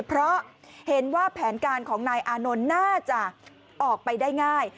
เพราะเห็นว่าแผนการของนายอานนท์น่าจะออกไปได้ง่าย